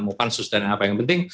mau pansus dan apa yang penting